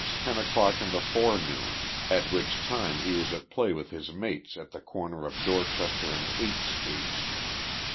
since 10 o'clock in the forenoon, at which time he was at play with his mates at the corner of Dorchester and Eighth streets.